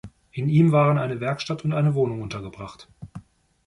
In ihm waren eine Werkstatt und eine Wohnung untergebracht.